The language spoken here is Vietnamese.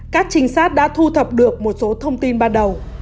các trinh sát đã thu thập được một số thông tin ban đầu